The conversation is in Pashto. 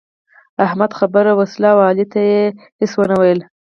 احمد خبره وسهله او علي ته يې هيڅ و نه ويل.